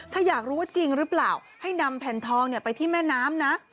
ถ้าอยากรู้ว่าจริงหรือเปล่าให้นำแผ่นทองไปที่แม่น้ำนะ